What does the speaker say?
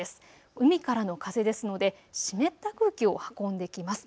海からの風ですので湿った空気を運んできます。